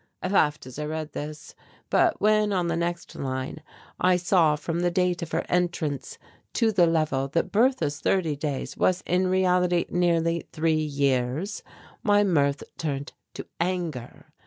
I laughed as I read this, but when on the next line I saw from the date of her entrance to the level that Bertha's thirty days was in reality nearly three years, my mirth turned to anger.